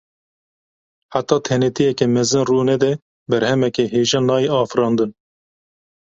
Heta tenêtiyeke mezin rû nede berhemeke hêja nayê afirandin.